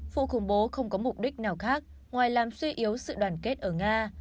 vụ khủng bố không có mục đích nào khác ngoài làm suy yếu sự đoàn kết ở nga